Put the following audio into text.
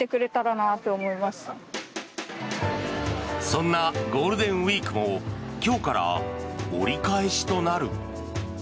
そんなゴールデンウィークも今日から折り返しとなる。